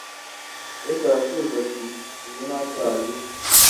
Yesu arasubiza ati uyu ntacyaha agira